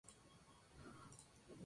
Post-producido por Uri Cohen.